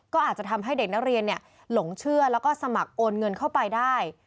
ก็อาจจะทำให้เด็กนักเรียนหลงเชื่อแล้วก็สมัครโอนเงินเข้าไปได้